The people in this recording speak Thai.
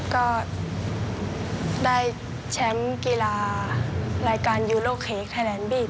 ก็ได้แชมป์กีฬารายการยูโลเค้กไทยแลนดบี้